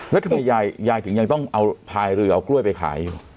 แล้วทำไมหญ้าดิฉันจำต้องเอาพายหรือเอากล้วยไปขายอยู่